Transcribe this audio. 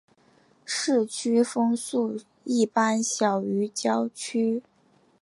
市区风速一般小于郊区。